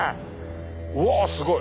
うわすごい！